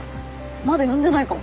まだ呼んでないかも。